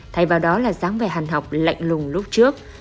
thay vào đó là dáng về hàn học lạnh lùng lúc trước